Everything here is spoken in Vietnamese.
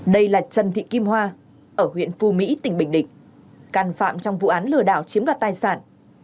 đây là trần thị kim hoa ở huyện phu mỹ tỉnh bình định căn phạm trong vụ án lừa đảo chiếm đoạt tài sản